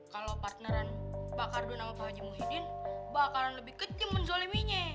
kalau partneran pak ardun sama pak aji muhyiddin bakalan lebih kecil menzoleminya